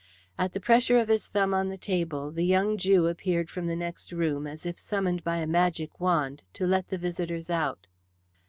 At the pressure of his thumb on the table the young Jew appeared from the next room, as if summoned by a magic wand, to let the visitors out.